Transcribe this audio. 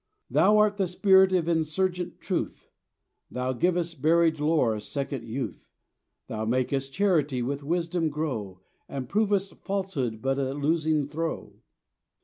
Thou art the Spirit of insurgent truth, Thou givest buried lore a second youth, Thou makest charity with wisdom grow, And provest falsehood but a losing throw.